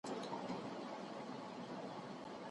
که وجدان وي نو خوب نه خرابیږي.